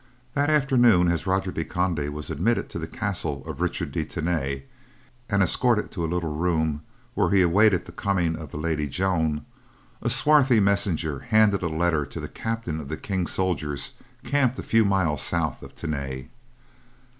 That afternoon, as Roger de Conde was admitted to the castle of Richard de Tany and escorted to a little room where he awaited the coming of the Lady Joan, a swarthy messenger handed a letter to the captain of the King's soldiers camped a few miles south of Tany.